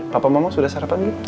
papa mama sudah sarapan mir